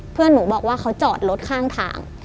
เพื่อนหนูบอกว่าเขาจอดรถข้างทาง